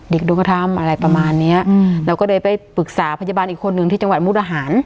ดูเขาทำอะไรประมาณเนี้ยอืมเราก็เลยไปปรึกษาพยาบาลอีกคนนึงที่จังหวัดมุกอาหาร